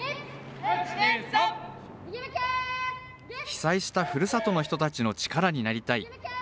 被災したふるさとの人たちの力になりたい。